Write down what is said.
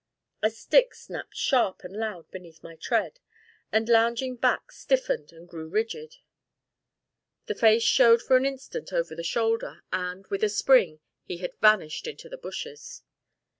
A stick snapped sharp and loud beneath my tread, the lounging back stiffened and grew rigid, the face showed for an instant over the shoulder, and, with a spring, he had vanished into the bushes.